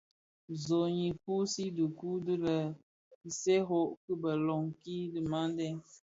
Zohnyi fusii dhikuu di le Isékos bi iloňki dhimandé.